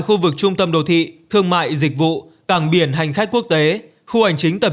các trung tâm đô thị thương mại dịch vụ cảng biển hành khách quốc tế khu ảnh chính tập